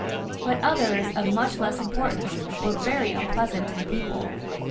But others of much less importance were much more unpleasant to the people.